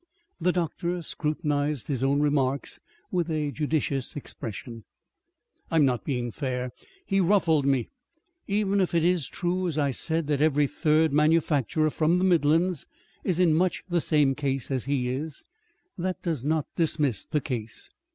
The doctor scrutinized his own remarks with a judicious expression. "I am not being fair. He ruffled me. Even if it is true, as I said, that every third manufacturer from the midlands is in much the same case as he is, that does not dismiss the case.